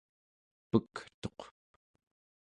peketuq